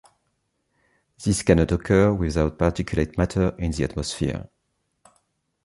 This cannot occur without particulate matter in the atmosphere.